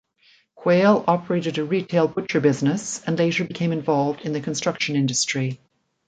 Quayle operated a retail butcher business, and later became involved in the construction industry.